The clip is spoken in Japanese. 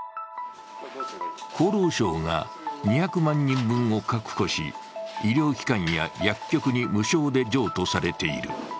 厚労省が２００万人分を確保し、医療機関や薬局に無償で譲渡されている。